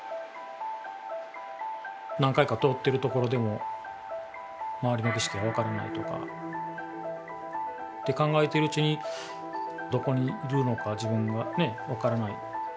何回か通っている所でも、周りの景色が分からないとか、って考えているうちに、どこにいるのか、自分が、分からない。